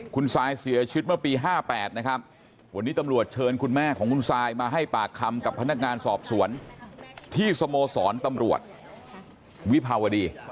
คุณซายเสียชีวิตเมื่อปี๕๘นะครับ